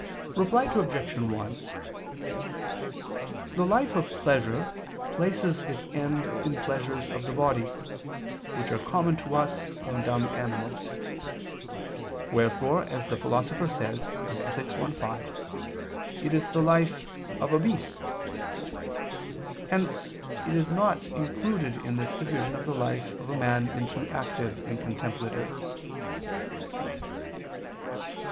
Reply Obj. 1: The life of pleasure places its end in pleasures of the body, which are common to us and dumb animals; wherefore as the Philosopher says (Ethic. Ethic. i, 5), it is the life "of a beast." Hence it is not included in this division of the life of a man into active and contemplative.